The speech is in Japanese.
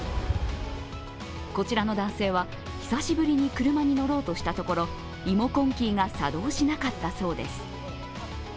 こちらの男性は久しぶりに車に乗ろうとしたところリモコンキーが作動しなかったそうです。